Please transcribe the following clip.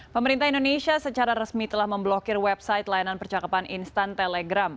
pemerintah indonesia secara resmi telah memblokir website layanan percakapan instan telegram